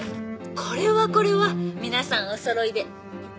「これはこれは皆さんおそろいで」